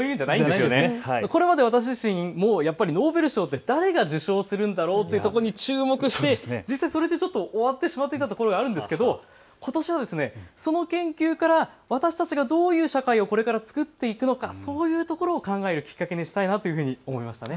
これまで私自身もやっぱりノーベル賞って誰が受賞するんだろうっていうとこに注目してそれでちょっと終わってしまったところがあるんですけどことしはその研究から私たちがどういう社会をこれからつくっていくのか、そういうところを考えるきっかけにしたいなというふうに思いました。